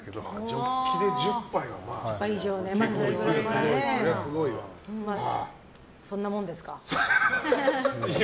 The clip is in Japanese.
ジョッキで１０杯、別に。